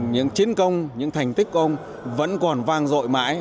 những chiến công những thành tích ông vẫn còn vang dội mãi